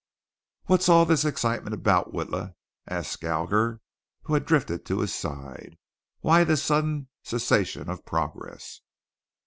"What's all the excitement about, Witla?" asked Skalger, who had drifted to his side. "Why this sudden cessation of progress?"